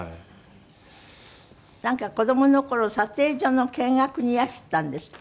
なんか子供の頃撮影所の見学にいらしたんですって？